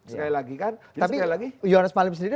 sekali lagi kan tapi yohanes malim sendiri